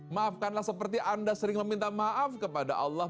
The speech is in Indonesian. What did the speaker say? maafkanlah seperti anda sering meminta maaf kepada allah